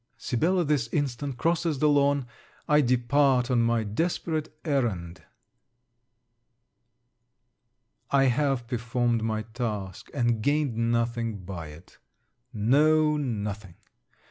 Sibella this instant crosses the lawn, I depart on my desperate errand. I have performed my task, and gained nothing by it. No nothing.